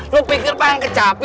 lu pikir pengen kecapi